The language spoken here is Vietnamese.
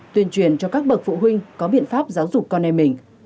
tuyên truyền cho các bậc phụ huynh có biện pháp giáo dục con em mình